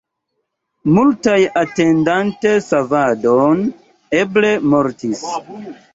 Multaj atendante savadon eble mortis.